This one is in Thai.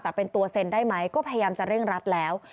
แต่เป็นตัวเซ็นได้ไหมก็พยายามจะเร่งรัดแล้ว